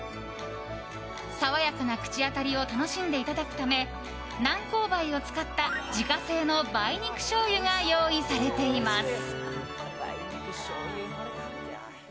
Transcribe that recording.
爽やかな口当たりを楽しんでいただくため南高梅を使った自家製の梅肉しょうゆが用意されています。